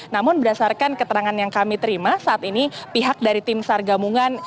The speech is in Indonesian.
namun berdasarkan keterangan yang kami terima saat ini pihak dari tim sar gabungan